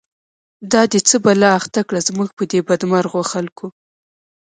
دا دی څه بلا اخته کړه، زموږ په دی بد مرغو خلکو